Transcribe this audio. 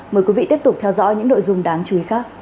mời quý vị tiếp tục theo dõi những nội dung đáng chú ý khác